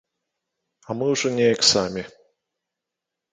А мы ўжо неяк самі.